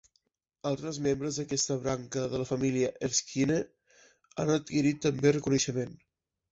Altres membres d'aquesta branca de la família Erskine han adquirit també reconeixement.